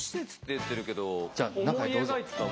じゃあ中へどうぞ。